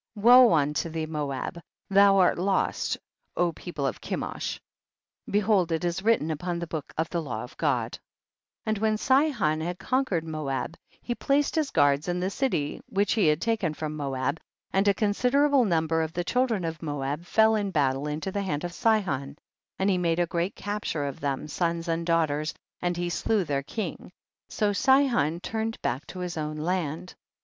20. Woe unto thee Moab ! thou art lost, people of Kemosh ! behold it is wTitten upon the book of the law of God. THE BOOK OF JASHER. 2&1 21. And when Sihon had conquer ed Moab, he placed guards in the cities which he had taken from Moab, and a considerable number of the children of Moab fell in battle into the hand of Sihon, and he made a great capture of them, sons and daughters, and he slew their king ; so Sihon turned back to his own land.